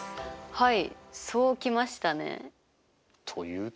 はい。